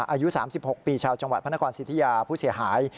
อายุ๓๖ปีชาวจังหวัดพระนครสิทธิยาผู้เสียหาย